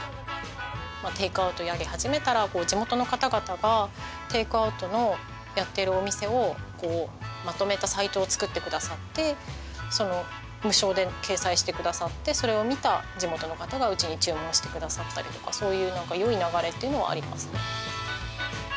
テイクアウトをやり始めたら地元の方々がテイクアウトのやっているお店をまとめたサイトを作ってくださって無償で掲載してくださってそれを見た地元の方がうちに注文してくださったりとかそういう何か良い流れっていうのはありますね。